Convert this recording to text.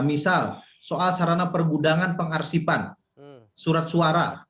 misal soal sarana pergudangan pengarsipan surat suara